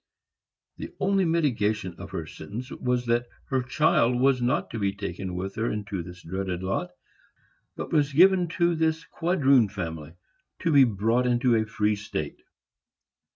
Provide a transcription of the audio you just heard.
The only mitigation of her sentence was that her child was not to be taken with her into this dreaded lot, but was given to this quadroon family to be brought into a free state.